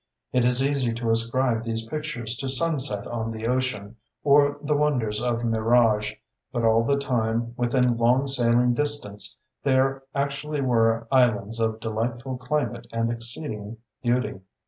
It is easy to ascribe these pictures to sunset on the ocean, or the wonders of mirage; but all the time, within long sailing distance, there actually were islands of delightful climate and exceeding beauty.